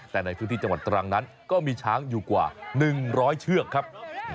แต่ในพื้นที่จังหวัดตรังนั้นก็มีช้างอยู่กว่า๑๐๐เชือกครับ